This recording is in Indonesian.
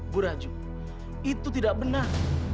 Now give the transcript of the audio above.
bu raju itu tidak benar